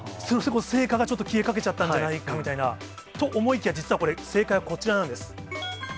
聖火がちょっと消えかけちゃったんじゃないかとか、と思いきや、実はこれ、正解はこちらなんです。